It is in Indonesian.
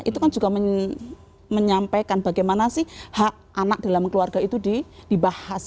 itu kan juga menyampaikan bagaimana sih hak anak dalam keluarga itu dibahas